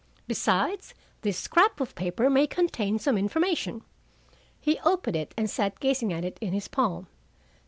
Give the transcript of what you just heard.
Besides, this scrap of paper may contain some information." He opened it and sat gazing at it in his palm.